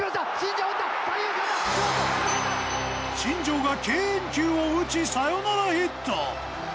三遊間だ新庄が敬遠球を打ちサヨナラヒット